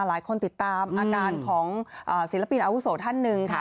หลายคนติดตามอาการของศิลปินอาวุโสท่านหนึ่งค่ะ